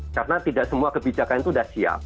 karena tidak semua kebijakan itu sudah siap